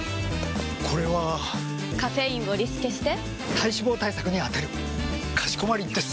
これはカフェインをリスケして体脂肪対策に充てるかしこまりです！！